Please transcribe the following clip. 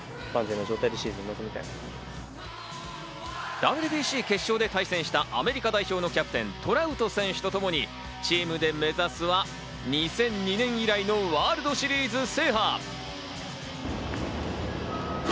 ＷＢＣ決勝で対戦したアメリカ代表のキャプテン、トラウト選手とともにチームで目指すは２００２年以来のワールドシリーズ制覇。